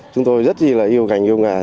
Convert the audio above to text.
chúng tôi rất là yêu cành yêu ngại